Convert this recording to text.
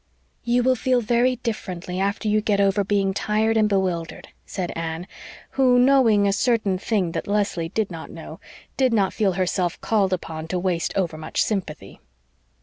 "You will feel very differently after you get over being tired and bewildered," said Anne, who, knowing a certain thing that Leslie did not know, did not feel herself called upon to waste overmuch sympathy.